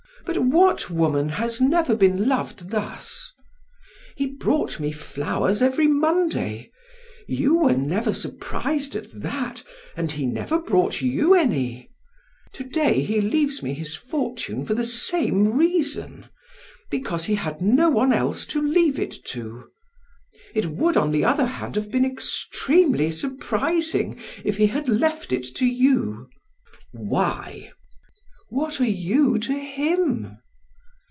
But what woman has never been loved thus? He brought me flowers every Monday. You were never surprised at that, and he never brought you any. To day he leaves me his fortune for the same reason, because he had no one else to leave it to. It would on the other hand have been extremely surprising if he had left it to you." "Why?" "What are you to him?"